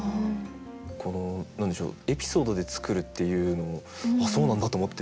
この何でしょうエピソードで作るっていうのもあっそうなんだ！と思って。